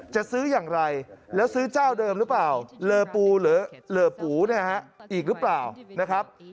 จะซื้ออย่างไรแล้วซื้อเจ้าเดิมหรือเปล่าเลอปูหรือเลอปูเนี่ยฮะอีกหรือเปล่านะครับ